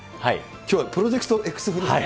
きょうはプロジェクトＸ風で。